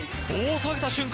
下げた瞬間